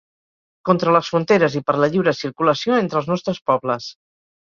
Contra les fronteres i per la lliure circulació entre els nostres pobles!